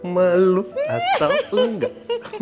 malu atau enggak